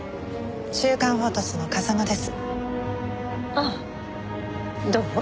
ああどうも。